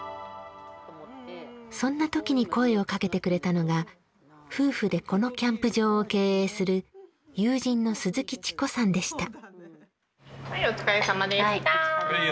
そんなときに声をかけてくれたのが夫婦でこのキャンプ場を経営する友人の鈴木智子さんでした。